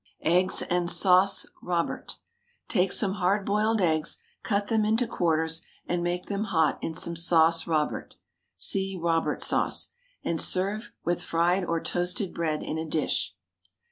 EGGS AND SAUCE ROBERT. Take some hard boiled eggs, cut them into quarters, and make them hot in some Sauce Robert (see ROBERT SAUCE) and serve with fried or toasted bread in a dish.